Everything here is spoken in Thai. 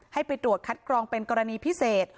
ให้ไปตรวจคัดกรองเป็นกรณีพิเศษ